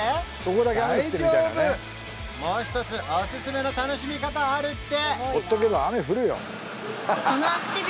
もう一つおすすめの楽しみ方あるって！